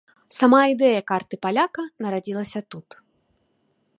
Сама ідэя карты паляка нарадзілася тут.